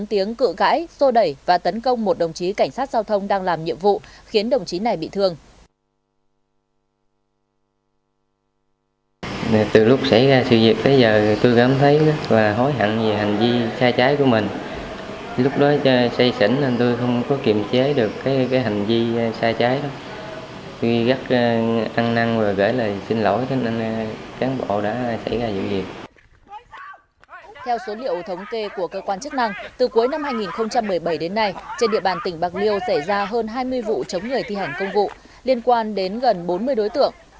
trên địa bàn tỉnh bạc liêu xảy ra hơn hai mươi vụ chống người thi hành công vụ liên quan đến gần bốn mươi đối tượng